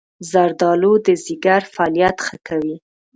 زردآلو د ځيګر فعالیت ښه کوي.